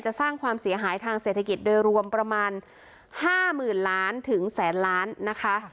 สร้างความเสียหายทางเศรษฐกิจโดยรวมประมาณ๕๐๐๐ล้านถึงแสนล้านนะคะ